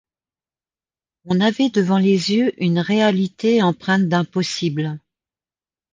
On avait devant les yeux une réalité empreinte d’impossible.